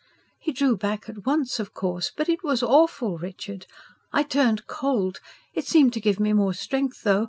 "He drew back at once, of course. But it was awful, Richard! I turned cold. It seemed to give me more strength, though.